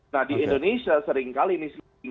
nah di indonesia seringkali ini